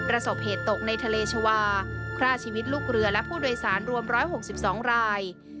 ศพเหตุตกในทะเลชาวาฆ่าชีวิตลูกเรือและผู้โดยสารรวม๑๖๒ราย